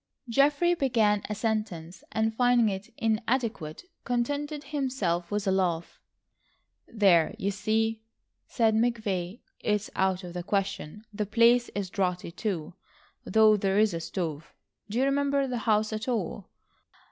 Geoffrey began a sentence and finding it inadequate, contented himself with a laugh. "There you see," said McVay. "It's out of the question. The place is draughty, too, though there is a stove. Do you remember the house at all?